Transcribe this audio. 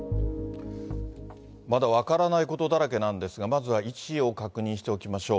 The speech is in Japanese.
まだ分からないことだらけなんですが、まずは位置を確認しておきましょう。